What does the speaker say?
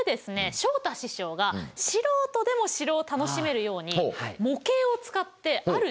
昇太師匠が素人でも城を楽しめるように模型を使ってある実験を行って下さいます。